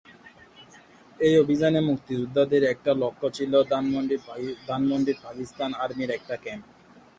এ অভিযানে মুক্তিযোদ্ধাদের একটা লক্ষ্য ছিল ধানমন্ডির পাকিস্তান আর্মির একটা ক্যাম্প।